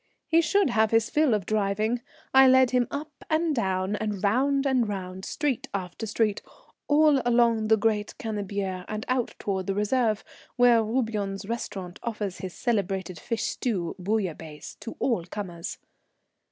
He should have his fill of driving. I led him up and down and round and round, street after street, all along the great Cannebière and out towards the Reserve, where Roubion's Restaurant offers his celebrated fish stew, bouillabaise, to all comers.